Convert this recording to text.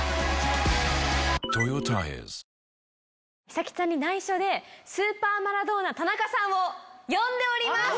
ひさきちゃんに内緒でスーパーマラドーナ・田中さん呼んでます！